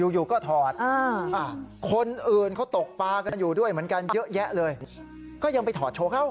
หรืนแบบน้ำยังไปถอดโชว์เขา